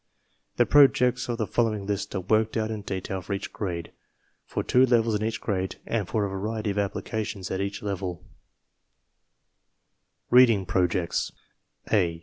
The Projects of the follow ing list are worked out in detail for each grade, for two levels in each grade, and for a variety of applications at each level: Reading Projects A.